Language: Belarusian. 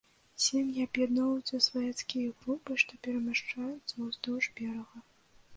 Сем'і аб'ядноўваюцца ў сваяцкія групы, што перамяшчаюцца ўздоўж берага.